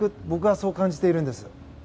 僕はそう感じているんです。